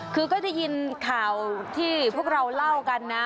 คือก็ได้ยินข่าวที่พวกเราเล่ากันนะ